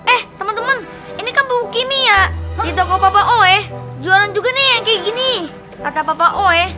eh teman teman ini kampung kimia di toko papa oe jualan juga nih yang kayak gini kata papa oe